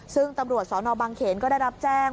ซึ่งตำรวจสนบางเขนก็ได้รับแจ้ง